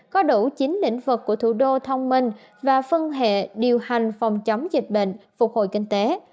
có đủ chính lĩnh vực của thủ đô thông minh và phân hệ điều hành phòng chống dịch bệnh phục hồi kinh tế